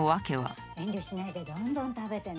遠慮しないでどんどん食べてね。